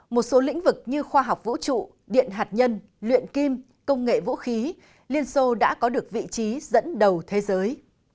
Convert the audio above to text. một số lĩnh vực như khoa học vũ trụ điện hạt nhân luyện kim công nghệ vũ khí liên xô đã có được vị trí dẫn đầu thế giới